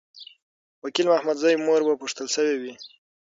وکیل محمدزی مور به پوښتل سوې وي.